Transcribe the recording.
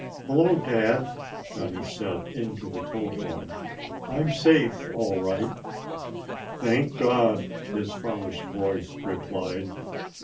"Hello, dad!" Johnny said into the telephone. "I'm safe all right." "Thank God!" his father's voice replied.